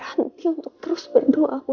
sampai jumpa lagi